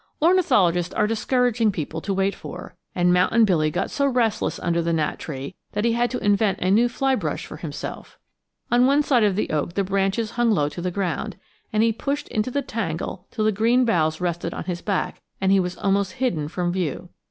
Ornithologists are discouraging people to wait for, and Mountain Billy got so restless under the gnat tree that he had to invent a new fly brush for himself. On one side of the oak the branches hung low to the ground, and he pushed into the tangle till the green boughs rested on his back and he was almost hidden from view.